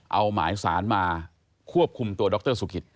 เอาหมายสารมาควบคุมตัวดรสุกิต